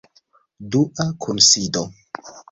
Dua kunsido.